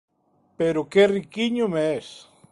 Pero qué riquiño me es!